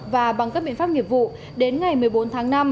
và bằng các biện pháp nghiệp vụ đến ngày một mươi bốn tháng năm